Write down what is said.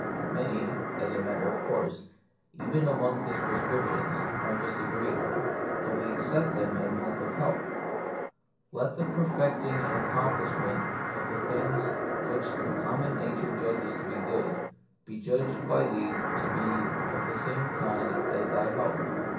Many, as a matter of course, even among his prescriptions, are disagreeable, but we accept them in hope of health. Let the perfecting and accomplishment of the things 72 The Mystery of Pain. which the common nature judges to be good, be judged by thee to be of the same kind as thy health.